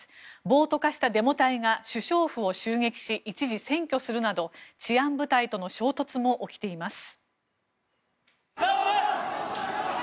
暴徒化したデモ隊が首相府を襲撃し一時占拠するなど治安部隊との衝突も起きています。